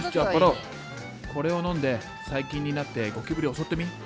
おこれを飲んで細菌になってゴキブリ襲ってみ。